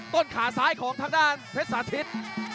ต้นขาซ้ายของทางด้านเพชรสาธิต